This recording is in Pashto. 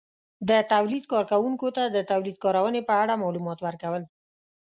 -د تولید کارونکو ته د تولید کارونې په اړه مالومات ورکول